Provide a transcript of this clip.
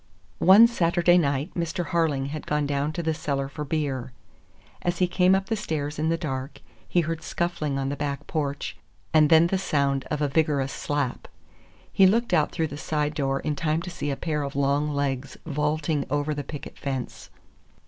One Saturday night Mr. Harling had gone down to the cellar for beer. As he came up the stairs in the dark, he heard scuffling on the back porch, and then the sound of a vigorous slap. He looked out through the side door in time to see a pair of long legs vaulting over the picket fence.